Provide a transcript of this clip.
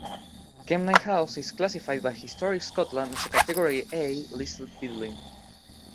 Kemnay House is classified by Historic Scotland as a category A listed building.